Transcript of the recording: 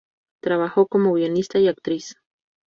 Trabajó como guionista y actriz.